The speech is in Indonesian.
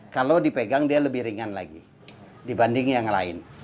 kalau dipegang dia lebih ringan lagi dibanding yang lain